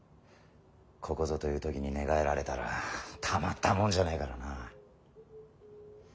ここぞという時に寝返られたらたまったもんじゃねえからな。